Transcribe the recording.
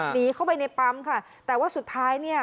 หนีเข้าไปในปั๊มค่ะแต่ว่าสุดท้ายเนี่ย